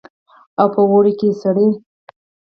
او په اوړي کښې سړې.